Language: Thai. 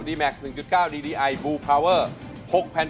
ดีแมคซ์หนึ่งเจ้าเก้าดีดีไอบูลพาวอร์หกแผ่น